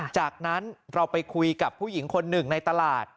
จากนั้นเราไปคุยกับผู้หญิงคนหนึ่งในตลาด